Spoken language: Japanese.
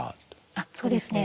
あっそうですね